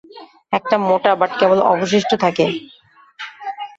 একটা মোটা বাঁট কেবল অবশিষ্ট থাকে।